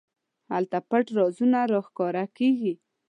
هلته پټ رازونه راښکاره کېږي.